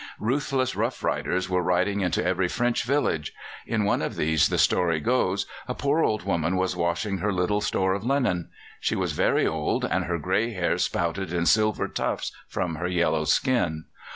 Ruthless rough riders were riding into every French village. In one of these, the story goes, a poor old woman was washing her little store of linen. She was very old, and her grey hair sprouted in silver tufts from her yellow skin.